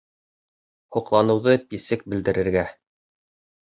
Һоҡланыуҙы писек белдерергә